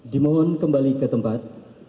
dimohon kembali ke tempat